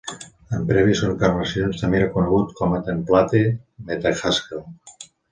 En prèvies encarnacions també era conegut com Template Meta-Haskell.